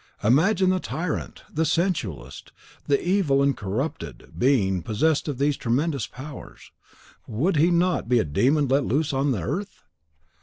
Imagine the tyrant, the sensualist, the evil and corrupted being possessed of these tremendous powers; would he not be a demon let loose on earth?